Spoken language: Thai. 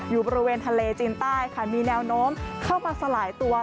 อยู่บริเวณทะเลจีนใต้ค่ะมีแนวโน้มเข้ามาสลายตัว